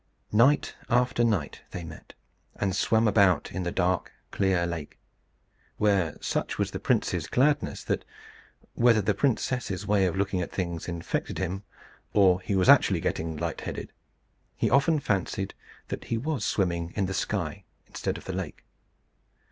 Night after night they met, and swam about in the dark clear lake; where such was the prince's gladness, that (whether the princess's way of looking at things infected him, or he was actually getting light headed) he often fancied that he was swimming in the sky instead of the lake.